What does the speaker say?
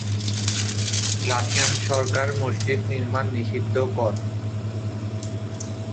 Russian সরকার মসজিদ নির্মাণ নিষিদ্ধ কর।